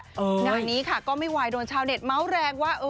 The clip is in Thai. งานนี้ค่ะก็ไม่ไหวโดนชาวเน็ตเมาส์แรงว่า